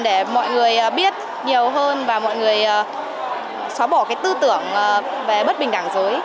để mọi người biết nhiều hơn và mọi người xóa bỏ cái tư tưởng về bất bình đẳng giới